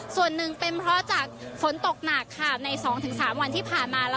ส่วนหนึ่งเป็นเพราะจากฝนตกหนักในสองถึงสามวันที่ผ่านมา